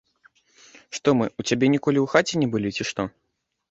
Што, мы ў цябе ў хаце ніколі не былі, ці што?